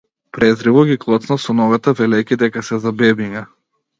Презриво ги клоцна со ногата велејќи дека се за бебиња.